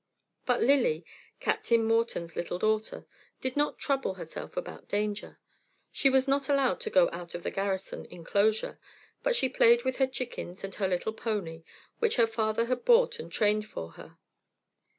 But Lily, Captain Morton's little daughter, did not trouble herself about danger. She was not allowed to go out of the garrison inclosure, but she played with her chickens and her little pony, which her father had bought and trained for her.